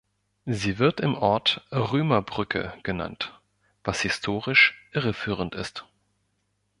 Sie wird im Ort „Römerbrücke“ genannt, was historisch irreführend ist.